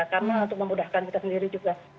karena itu memudahkan kita sendiri juga